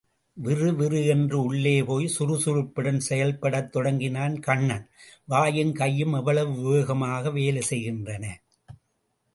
விறுவிறு என்று உள்ளே போய், சுறுசுறுப்புடன் செயல்படத் தொடங்கினான் கண்ணன், வாயும் கையும் எவ்வளவு வேகமாக வேலை செய்கின்றன!